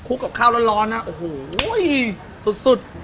คลุกกับข้าวร้อนนะโอ้โหสุดสุด